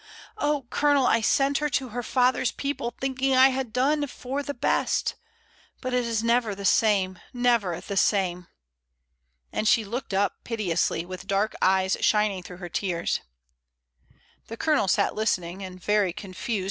Oh I Colonel, I sent her to her father's people, thinking I had done for the best; but it is never the same, never the same." And she looked up piteously, with dark eyes shining through her tears. The Colonel sat listening and very confused. COFFEE.